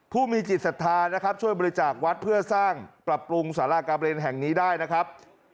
ผู้มีจิตศรัทธานะครับช่วยบริจาควัดเพื่อสร้างปรับปรุงสารากาเลนแห่งนี้ได้นะครับ